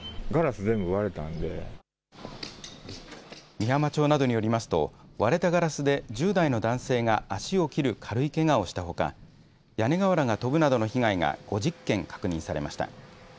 美浜町などによりますと割れたガラスで１０代の男性が足を切る軽いけがをしたほか屋根瓦が飛ぶなどの被害が５０軒確認されました。